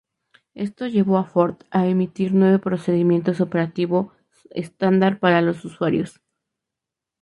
Esto llevó a Ford a emitir nueve Procedimientos Operativos Estándar para los usuarios.